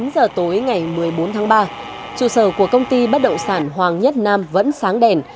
tám giờ tối ngày một mươi bốn tháng ba chủ sở của công ty bất động sản hoàng nhất nam vẫn sáng đèn